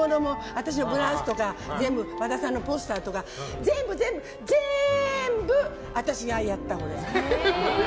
私のブラウスとか全部、和田さんのポスターとか全部、私がやったので。